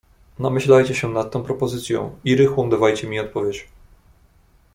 "Namyślajcie się nad tą propozycją i rychłą dawajcie mi odpowiedź."